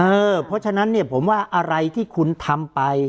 เพราะฉะนั้นเนี่ยผมว่าอะไรที่คุณทำไป